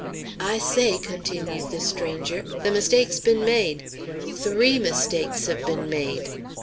"I say," continued the stranger, "the mistake's been made. Three mistakes have been made!"